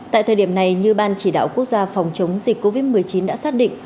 tại thời điểm này như ban chỉ đạo quốc gia phòng chống dịch covid một mươi chín đã xác định